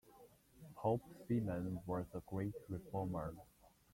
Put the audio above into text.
Pope Simeon was a great reformer.